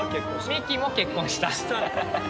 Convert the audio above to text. ミキも結婚した。